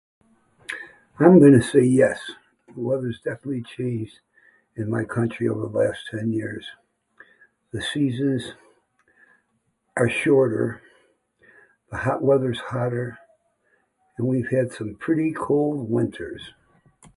I'm gonna say yes: the weather's definitely changed in my country over the last ten years. The seasons are shorter, the hot weather's hotter, and we've had some pretty cold winters.